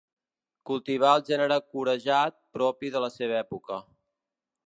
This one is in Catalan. Cultivà el gènere corejat, propi de la seva època.